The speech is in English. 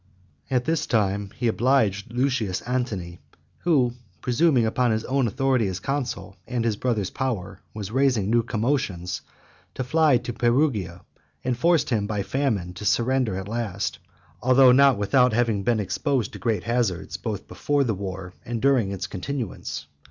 XIV. At this time he obliged Lucius Antony, who, presuming upon his own authority as consul, and his brother's power, was raising new commotions, to fly to Perugia, and forced him, by famine, to surrender at last, although not without having been exposed to great hazards, both before the war and during its continuance.